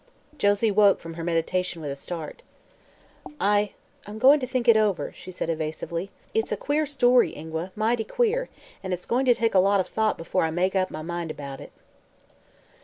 Josie woke from her meditation with a start. "I I'm going to think it over," she said evasively. "It's a queer story, Ingua mighty queer and it's going to take a lot of thought before I make up my mind about it."